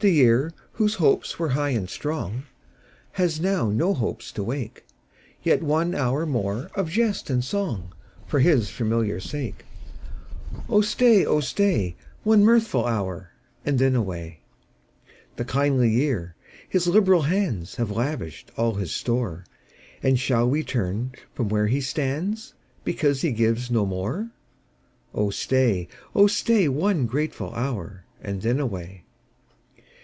The year, whose hopes were high and strong, Has now no hopes to wake ; Yet one hour more of jest and song For his familiar sake. Oh stay, oh stay, One mirthful hour, and then away. 36 POEMS. The kindly year, his liberal hands Have lavished all his store. And shall we turn from where he stands, Because he gives no more? Oh stay, oh stay, One grateful hotir, and then away.